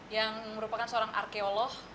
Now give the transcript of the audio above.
yang merupakan seorang arkeolog